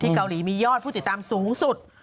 เกาหลีมียอดผู้ติดตามสูงสุด